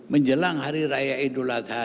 menjelang hari raya idul adha